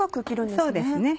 そうですね。